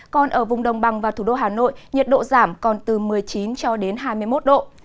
còn ở vùng đồng bằng và thủ đô hà nội nhiệt độ giảm còn từ một mươi chín cho đến hai mươi một độ